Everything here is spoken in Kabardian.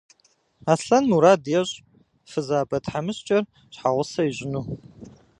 Аслъэн мурад ещӏ фызабэ тхьэмыщкӏэр щхьэгъусэ ищӏыну.